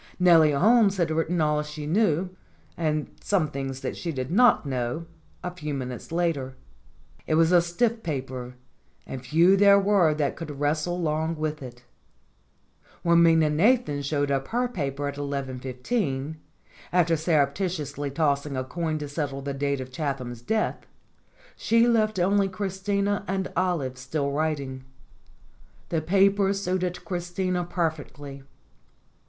Nellie Holmes had writ ten all she knew, and some things that she did not know, a few minutes later. It was a stiff paper, and few there were that could wrestle long with it. When Minna Nathan showed up her paper at 11.15, after surreptitiously tossing a coin to settle the date of Chatham's death, she left only Christina and Olive still writing. The paper suited Christina perfectly.